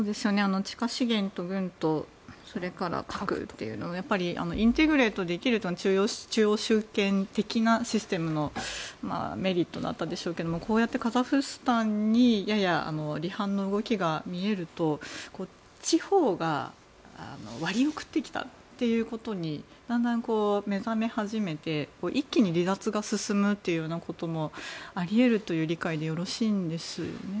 地下資源と軍と核というのはインテグレートできる中央集権的なシステムのメリットだったんでしょうけどこうやってカザフスタンにやや離反の動きが見えると地方が割を食ってきたということにだんだん目覚め始めて一気に離脱が進むということもあり得るという理解でよろしいんですよね。